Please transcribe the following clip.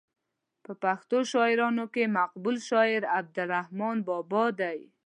په پښتو شاعرانو کې مقبول شاعر عبدالرحمان بابا دی.